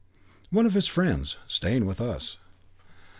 "One of his friends. Staying with us."